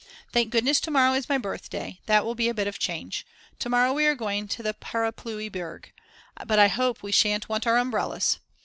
Thank goodness to morrow is my birthday, that will be a bit of a change. To morrow we are going to the Parapluie Berg, but I hope we shan't want our umbrellas.